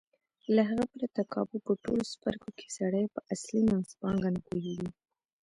له هغه پرته کابو په ټولو څپرکو کې سړی په اصلي منځپانګه نه پوهېږي.